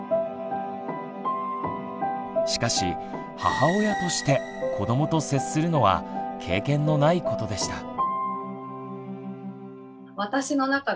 しかし母親として子どもと接するのは経験のないことでした。